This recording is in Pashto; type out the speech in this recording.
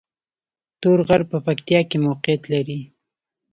تور غر په پکتیا کې موقعیت لري